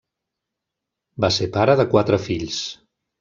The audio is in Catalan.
Va ser pare de quatre fills.